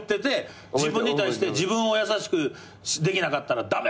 「自分に対して自分を優しくできなかったら駄目やから！」